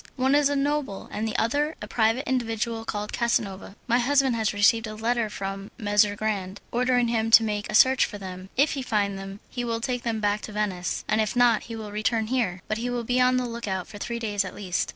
One is a noble and the other a private individual named Casanova. My husband has received a letter from Messer Grande ordering him to make a search for them; if he find them he will take them back to Venice, and if not he will return here, but he will be on the look out for three days at least."